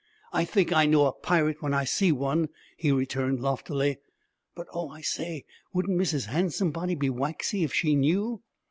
'I think I know a pirate when I see one,' he returned loftily. 'But oh, I say, wouldn't Mrs. Handsomebody be waxy if she knew?'